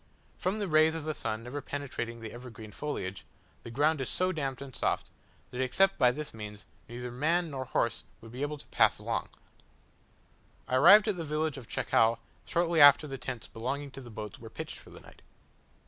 From the rays of the sun never penetrating the evergreen foliage, the ground is so damp and soft, that except by this means neither man nor horse would be able to pass along. I arrived at the village of Chacao shortly after the tents belonging to the boats were pitched for the night.